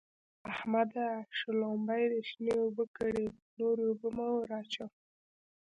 احمده! شلومبې دې شنې اوبه کړې؛ نورې اوبه مه ور اچوه.